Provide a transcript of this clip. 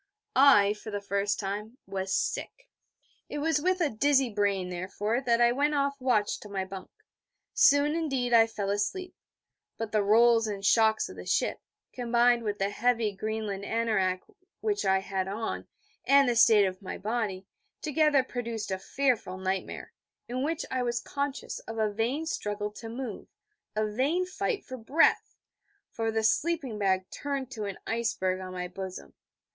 I, for the first time, was sick. It was with a dizzy brain, therefore, that I went off watch to my bunk. Soon, indeed, I fell asleep: but the rolls and shocks of the ship, combined with the heavy Greenland anorak which I had on, and the state of my body, together produced a fearful nightmare, in which I was conscious of a vain struggle to move, a vain fight for breath, for the sleeping bag turned to an iceberg on my bosom.